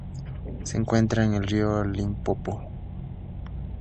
Se encuentra en el río Limpopo.